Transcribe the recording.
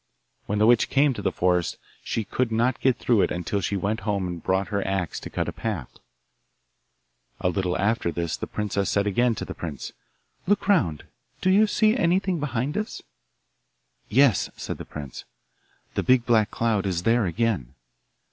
When the witch came to the forest she could not get through it until she went home and brought her axe to cut a path. A little after this the princess said again to the prince, 'Look round; do you see anything behind us?' 'Yes,' said the prince, 'the big black cloud is there again.